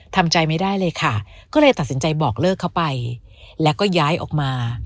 ทำใจไม่ได้เลยค่ะก็เลยตัดสินใจบอกเลิกเขาไปแล้วก็ย้ายออกมา